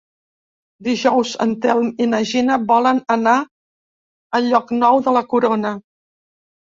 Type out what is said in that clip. Dijous en Telm i na Gina volen anar a Llocnou de la Corona.